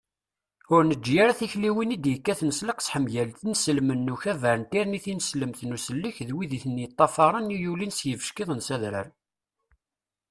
ur neǧǧi ara tikliwin i d-yekkaten s leqseḥ mgal inselmen n ukabar n tirni tineslemt n usellek d wid i ten-yeṭṭafaṛen i yulin s yibeckiḍen s adrar